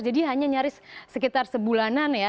jadi hanya nyaris sekitar sebulanan ya